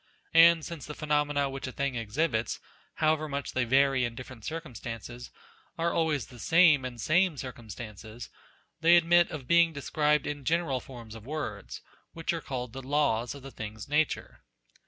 And since the phenomena which a thing exhibits, however much they vary in different circumstances, are always the same in the same circumstances, they admit of being described in general forms of words, which are called the laws of the thing's nature.